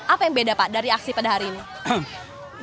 apa yang beda pak dari aksi pada hari ini